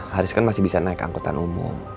haris kan masih bisa naik angkutan umum